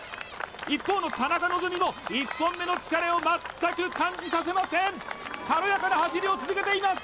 一方の田中希実も１本目の疲れを全く感じさせません軽やかな走りを続けています